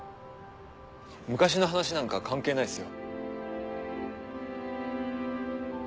昔の話なんか関係ないっすよ。